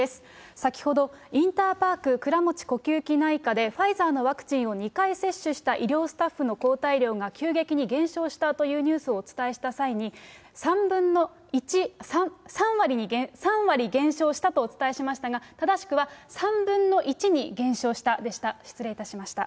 先ほど、インターパーク倉持呼吸器内科で、ファイザーのワクチンを２回接種した医療スタッフの抗体量が急激に減少したというニュースをお伝えした際に、３割減少したとお伝えしましたが、正しくは３分の１に減少したでした。